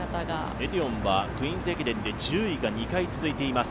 エディオンは「クイーンズ駅伝」で１０位が２回続いています。